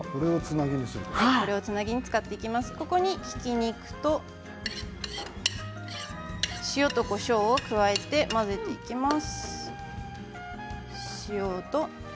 ここに、ひき肉と塩とこしょうを加えて混ぜていきます。